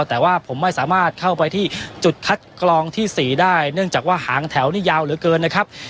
แต่ว่าผมไม่สามารถเข้าไปที่จุดคัดกรองที่๔ได้เนื่องจากว่าหางแถวนี้ยาวเหลือเกินนะครับ